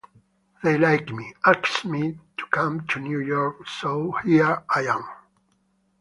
They liked me, asked me to come to New York, so here I am!